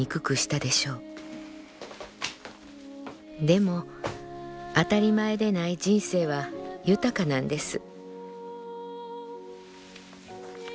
でも当たり前で無い人生は豊かなんです」。